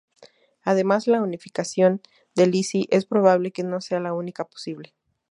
Además, la unificación de Lisi es probable que no sea la única posible.